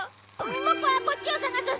ボクはこっちを探す。